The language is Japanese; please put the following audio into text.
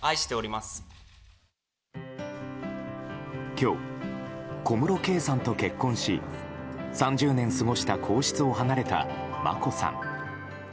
今日、小室圭さんと結婚し３０年過ごした皇室を離れた眞子さん。